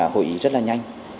hội ý rất là nhanh